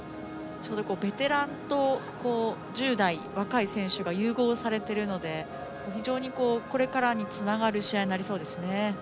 ちょうどベテランと１０代、若い選手が融合されてるので非常にこれからにつながる試合になりそうですね。